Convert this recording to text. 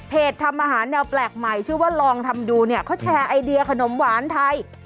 ทำอาหารแนวแปลกใหม่ชื่อว่าลองทำดูเนี่ยเขาแชร์ไอเดียขนมหวานไทย